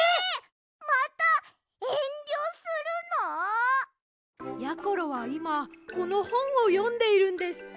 またえんりょするの？やころはいまこのほんをよんでいるんです。